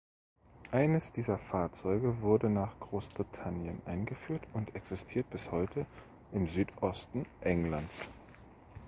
Eines dieser Fahrzeuge wurde nach Großbritannien eingeführt und existiert bis heute im Südosten Englands.